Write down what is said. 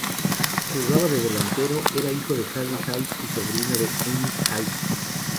Jugaba de delantero, era hijo de Harry Hayes y sobrino de Ennis Hayes.